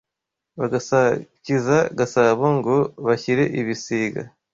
Bagasakiza Gasabo Ngo bashyire ibisiga